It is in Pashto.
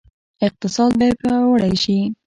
اقتصاد به پیاوړی شي؟